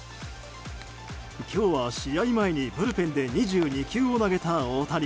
今日は試合前にブルペンで２２球を投げた大谷。